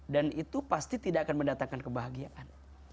dan itu pasti tidak akan mendatangkan kebahagiaan